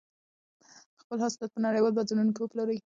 خپل حاصلات په نړیوالو بازارونو کې وپلورئ.